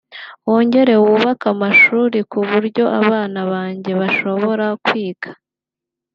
wongere wubake amashuri ku buryo abana banjye bashobora kwiga